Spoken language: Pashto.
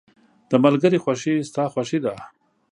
• د ملګري خوښي ستا خوښي ده.